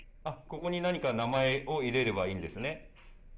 ここに何か名前を入れればいいんですね。